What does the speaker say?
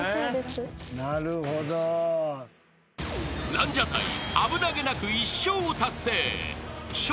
［ランジャタイ危なげなく１笑を達成］［笑